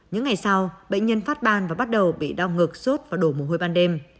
những ngày sau bệnh nhân phát ban và bắt đầu bị đau ngực sốt và đổ mồ hôi ban đêm